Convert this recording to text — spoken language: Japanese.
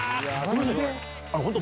本当